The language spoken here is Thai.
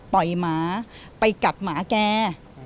ปล่อยหมาไปกัดหมาแก